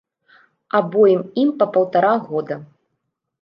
Абоім ім па паўтара года.